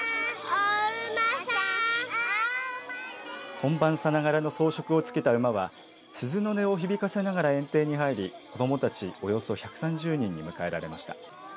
本番さながらの装束を着けた馬は鈴の音を響かせながら園庭に入り子どもたちおよそ１３０人に迎えられました。